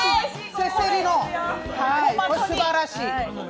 せせりの、これ、すばらしい。